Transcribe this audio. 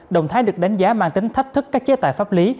động thái được đánh giá mang tính thách thức các chế tài pháp lý